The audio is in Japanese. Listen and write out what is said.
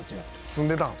「住んでたん？